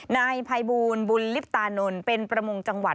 ในภายบูรณ์บุลลิฟตานนลเป็นประมงจังหวัด